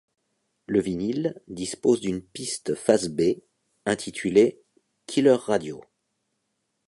Le vinyle, dispose d'une piste face-b, intitulée Killer Radio.